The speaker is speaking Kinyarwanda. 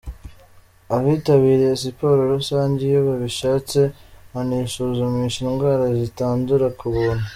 Abitabiriye Siporo rusange iyo babishatse banisuzumisha indwara zitandura ku buntu.